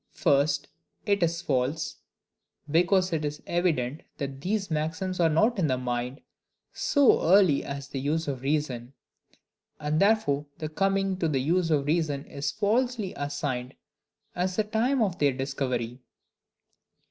First, it is false; because it is evident these maxims are not in the mind so early as the use of reason; and therefore the coming to the use of reason is falsely assigned as the time of their discovery.